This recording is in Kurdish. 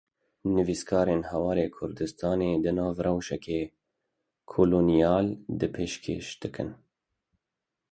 Nivîskarên Hawarê Kurdistanê di nav rewşeke kolonyal de pêşkêş dikin.